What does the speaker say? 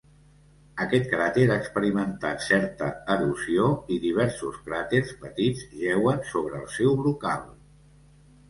Aquest cràter ha experimentat certa erosió, i diversos cràters petits jeuen sobre el seu brocal.